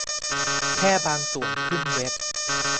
แค่บางส่วนขึ้นเว็บ